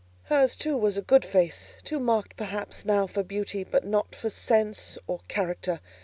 Hers, too, was a good face; too marked, perhaps, now for beauty, but not for sense or character.